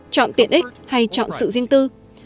chọn tiện ích hay chọn sự riêng tư